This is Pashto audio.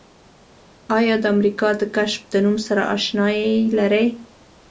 آیا د امریکا د کشف د نوم سره آشنایي لرئ؟